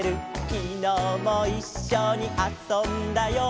「きのうもいっしょにあそんだよ」